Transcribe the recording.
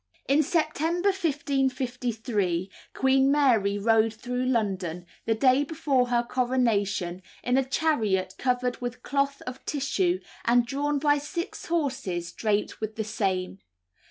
In September 1553 Queen Mary rode through London, the day before her coronation, in a chariot covered with cloth of tissue, and drawn by six horses draped with the same.